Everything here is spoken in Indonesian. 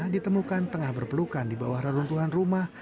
ditemukan tengah berpelukan di bawah reruntuhan rumah